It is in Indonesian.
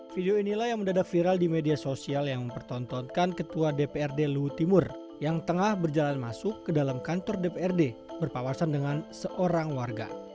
video inilah yang mendadak viral di media sosial yang mempertontonkan ketua dprd luwu timur yang tengah berjalan masuk ke dalam kantor dprd berpawasan dengan seorang warga